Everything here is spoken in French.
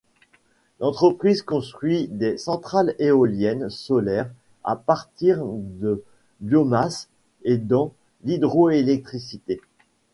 L'entreprise construit des centrales éoliennes, solaires, à partir de biomasse et dans l'hydroélectricité.